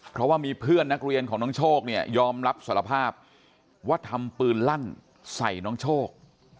เพราะว่ามีเพื่อนนักเรียนของน้องโชคเนี่ยยอมรับสารภาพว่าทำปืนลั่นใส่น้องโชค